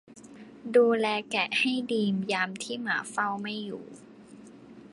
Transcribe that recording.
ดูแลแกะให้ดียามที่หมาเฝ้าไม่อยู่